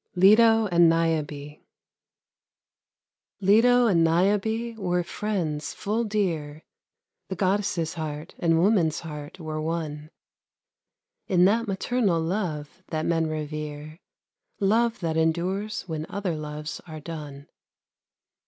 LETO AND NIOBE Leto and Niobe were friends full dear, The Goddess' heart and woman's heart were one In that maternal love that men revere, Love that endures when other loves are done.